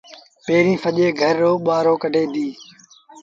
پيريٚݩ سڄي گھر رو ٻوهآرو ڪڍيٚن ديٚݩ ۔